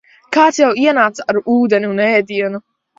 Kāds jau ienāca ar ūdeni un ēdienu.